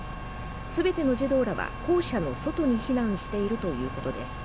全ての児童らは校舎の外に避難しているということです。